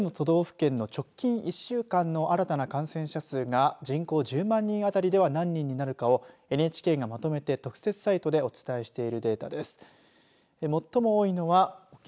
こちらはそれぞれの都道府県の直近１週間の新たな感染者数が人口１０万人当たりでは何人になるのかをＮＨＫがまとめて特設サイトでお伝えしているデータです。